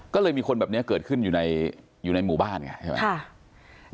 ก็เลยมีคนแบบเนี้ยเกิดขึ้นอยู่ในอยู่ในหมู่บ้านเนี้ยใช่ไหมค่ะ